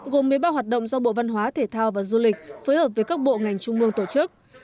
gồm một mươi ba hoạt động do bộ văn hóa thể thao và du lịch phối hợp với các bộ ngành trung mương tổ chức